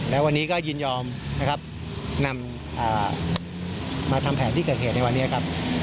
แล้ววันนี้ก็ยินยอมนะครับนำมาทำแผนที่เกิดเหตุในวันนี้ครับ